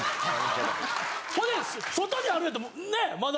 ほんで外にあるんやったらねぇまだ。